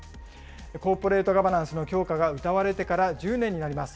コーポレートガバナンスの強化がうたわれてから１０年になります。